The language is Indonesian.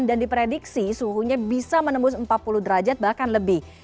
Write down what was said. dan diprediksi suhunya bisa menembus empat puluh derajat bahkan lebih